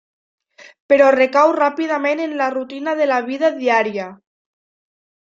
Però recau ràpidament en la rutina de la vida diària.